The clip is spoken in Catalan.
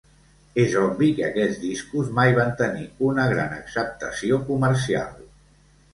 És obvi que aquests discos mai van tenir una gran acceptació comercial.